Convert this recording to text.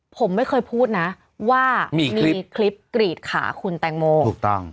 ผมไม่เคยพูดนะว่ามีคลิปกรีดขาคุณแตงโมถูกต้อง